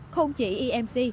không chỉ emc